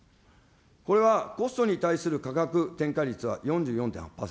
これはコストに対する価格転嫁率は４４．８％。